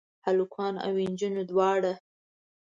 هلکان او انجونې دواړه؟